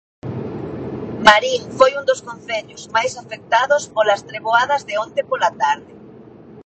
Marín foi un dos concellos máis afectados polas treboadas de onte pola tarde.